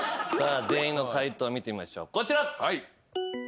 全員の解答見てみましょうこちら。